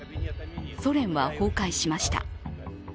ソ連は崩壊しました。